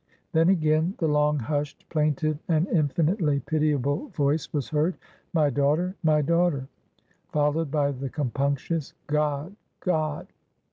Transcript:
Then, again, the long hushed, plaintive and infinitely pitiable voice was heard, "My daughter! my daughter!" followed by the compunctious "God! God!"